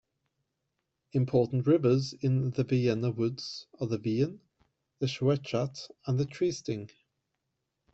Important rivers in the Vienna Woods are the Wien, the Schwechat and the Triesting.